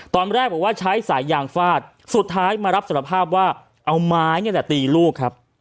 ตอนแรกบอกว่าใช้สายยางฟาดสุดท้ายมารับสารภาพว่าเอาไม้นี่แหละตีลูกครับ